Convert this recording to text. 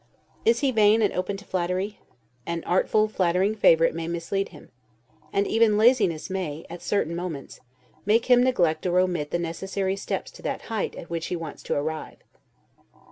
Is he vain, and open to flattery? An artful, flattering favorite may mislead him; and even laziness may, at certain moments, make him neglect or omit the necessary steps to that height at which he wants to arrive.